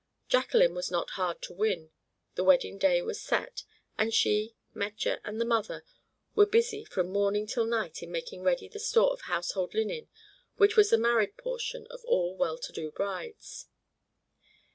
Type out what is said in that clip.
Jacqueline was not hard to win, the wedding day was set, and she, Metje, and the mother were busy from morning till night in making ready the store of household linen which was the marriage portion of all well to do brides.